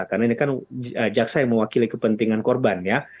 karena ini kan jaksa yang mewakili kepentingan korban ya